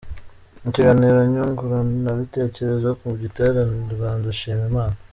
Mu kiganiro nyunguranabitekerezo ku giterane Rwanda, Shima Imana !